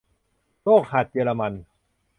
โรคหัดเยอรมัน